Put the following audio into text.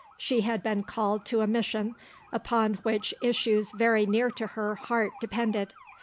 She had been called to a mission upon which issues very near to her heart depended.